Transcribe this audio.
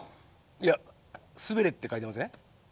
いや「すべれ」って書いてません？